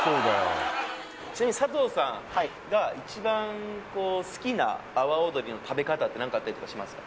ちなみに佐藤さんが一番好きな阿波尾鶏の食べ方って何かあったりとかしますか？